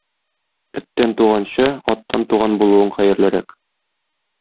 Эттән туганчы, аттан туган булуың хәерлерәк.